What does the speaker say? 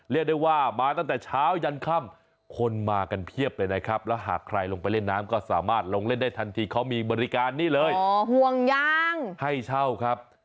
แล้วหากใครลงไปเล่นน้ำก็สามารถลงเล่นได้ทันทีเขามีบริการนี้เลยอ่อห่วงยางให้เช่าครับ